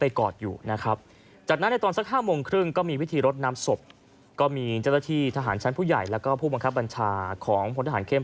เป็นภาพที่เศร้ามากนะคะ